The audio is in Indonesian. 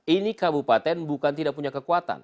ini kabupaten bukan tidak punya kekuatan